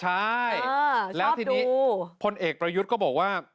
ใช่แล้วทีนี้พลเอกประยุทธ์ก็บอกว่า